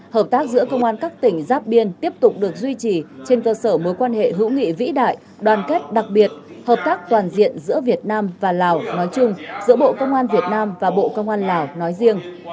hợp tác giữa công an các tỉnh giáp biên tiếp tục được duy trì trên cơ sở mối quan hệ hữu nghị vĩ đại đoàn kết đặc biệt hợp tác toàn diện giữa việt nam và lào nói chung giữa bộ công an việt nam và bộ công an lào nói riêng